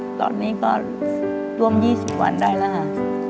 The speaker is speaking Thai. ตอนนี้ก็ร่วม๒๐วันได้แล้วค่ะ